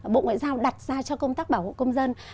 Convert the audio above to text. bộ ngoại giao đặt ra cho công tác bảo hộ công dân